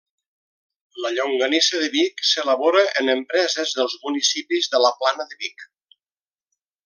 La Llonganissa de Vic s'elabora en empreses dels municipis de la Plana de Vic.